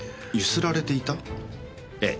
ええ。